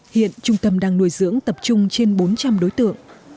hiện trung tâm đang nuôi dưỡng tập trung trên bốn trăm linh đối tượng